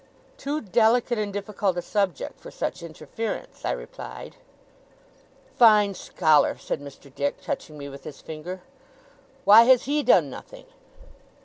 'Too delicate and difficult a subject for such interference,' I replied. 'Fine scholar,' said Mr. Dick, touching me with his finger. 'Why has HE done nothing?